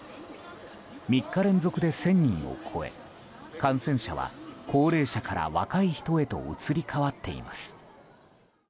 ３日連続で１０００人を超え感染者は高齢者から若い人へと移り変わっています。